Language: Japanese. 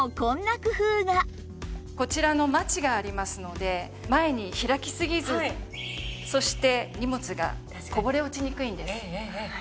こちらのマチがありますので前に開きすぎずそして荷物がこぼれ落ちにくいんです。